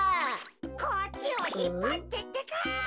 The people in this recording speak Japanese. ・こっちをひっぱってってか。